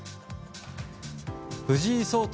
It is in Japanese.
藤井聡太